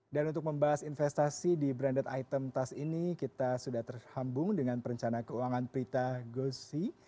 dan untuk membahas investasi di branded item tas ini kita sudah terhambung dengan perencana keuangan prita gosi